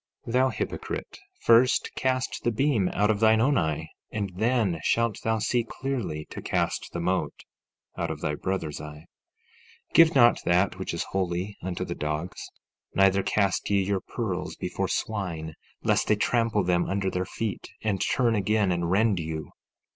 14:5 Thou hypocrite, first cast the beam out of thine own eye; and then shalt thou see clearly to cast the mote out of thy brother's eye. 14:6 Give not that which is holy unto the dogs, neither cast ye your pearls before swine, lest they trample them under their feet, and turn again and rend you.